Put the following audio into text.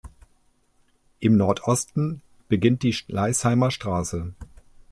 Im Nordosten beginnt die Schleißheimer Straße.